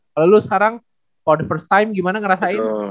kalau lo sekarang for the first time gimana ngerasain